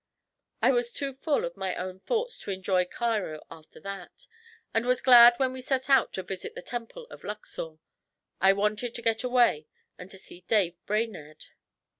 I was too full of my own thoughts to enjoy Cairo after that, and was glad when we set out to visit the Temple of Luxor. I wanted to get away and to see Dave Brainerd.